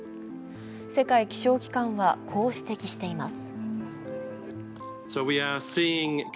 世界気象機関はこう指摘しています。